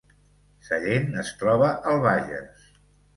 Sallent es troba al Bages